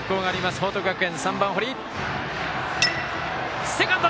報徳学園、３番、堀。